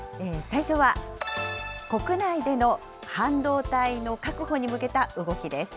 最初は、国内での半導体の確保に向けた動きです。